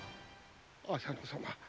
浅野様